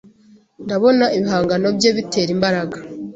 ndabona ibihangano bye bitera imbaraga